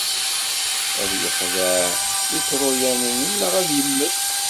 Ad yexdeε Iṭruyanen neɣ ad yemmet.